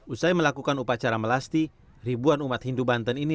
usai melakukan upacara melasti ribuan umat hindu banten ini